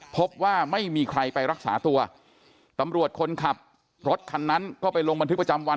พบว่าไม่มีใครไปรักษาตัวตำรวจคนขับรถคันนั้นก็ไปลงบันทึกประจำวัน